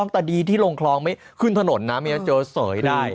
ที่ลงคลองไม่ขึ้นถนนนะเมียเจ้าเสยได้